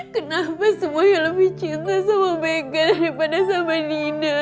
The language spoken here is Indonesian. kenapa semuanya lebih cinta sama meka daripada sama dina